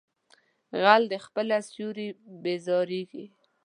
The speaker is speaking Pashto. غل د خپله سوري بيرېږي.